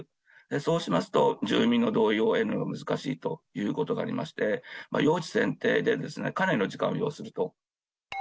そうしますと、住民の同意を得るのが難しいということがありまして、用地選定でかなりの時間を要すると。